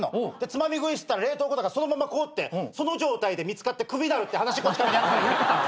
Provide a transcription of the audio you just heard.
つまみ食いしてたら冷凍庫だからそのまま凍ってその状態で見つかってクビになるって話『こち亀』でやってた。